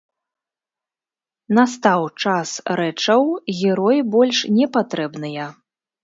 Настаў час рэчаў, героі больш не патрэбныя.